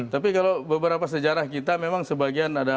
tapi kalau beberapa sejarah kita memang sebagian ada